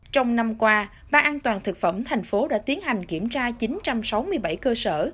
trong năm qua ban an toàn thực phẩm thành phố đã tiến hành kiểm tra chín trăm sáu mươi bảy cơ sở